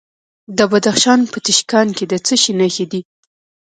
د بدخشان په تیشکان کې د څه شي نښې دي؟